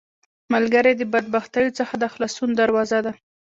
ملګری د بدبختیو څخه د خلاصون دروازه ده